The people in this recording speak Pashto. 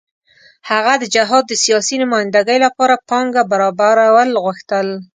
هغه د جهاد د سیاسي نمايندګۍ لپاره پانګه برابرول غوښتل.